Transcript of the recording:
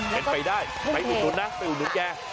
เป็นไปได้ไปอุดหนุนนะไปอุดหนุนแก